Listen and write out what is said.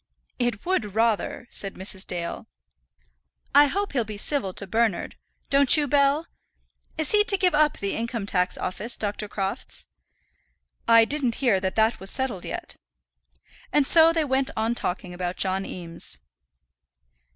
"It would rather," said Mrs. Dale. "I hope he'll be civil to Bernard. Don't you, Bell? Is he to give up the Income tax Office, Dr. Crofts?" "I didn't hear that that was settled yet." And so they went on talking about John Eames.